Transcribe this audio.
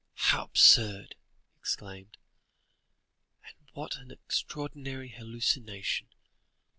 "How absurd!" he exclaimed, "and what an extraordinary hallucination.